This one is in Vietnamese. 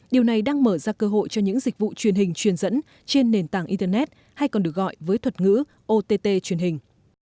điều này đang mở ra cơ hội cho những dịch vụ truyền hình truyền dẫn trên nền tảng internet hay còn được gọi với thuật ngữ ott truyền hình